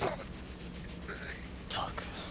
ったく。